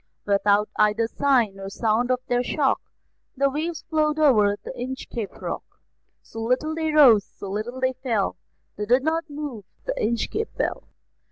Without either sign or sound of their shock, The waves flowed over the Inchcape Rock; So little they rose, so little they fell, They did not move the Inchcape Bell.